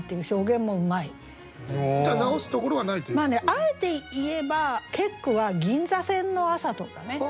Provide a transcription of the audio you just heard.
あえて言えば結句は「銀座線の朝」とかね。